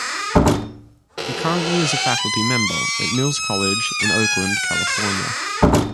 He currently is a faculty member at Mills College in Oakland, California.